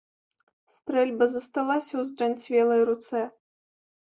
Стрэльба засталася ў здранцвелай руцэ.